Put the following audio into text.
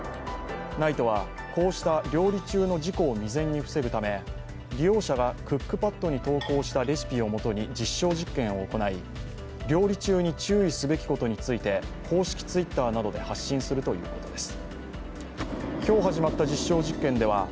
ＮＩＴＥはこうした料理中の事故を未然に防ぐため、利用者がクックパッドに投稿したレシピを元に実証実験を行い料理中に注意すべきことについて公式Ｔｗｉｔｔｅｒなどで発信するということです。